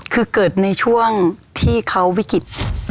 มรดกเกิดในช่วงของที่เขาวิกฤษ